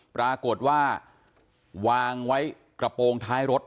ปรากฏว่าวางไว้กระโปรงท้ายรถ